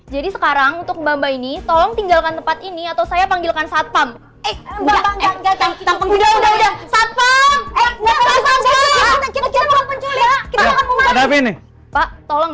jadi sekarang untuk mbak mbak ini tolong tinggalkan tempat ini atau saya panggilkan satpam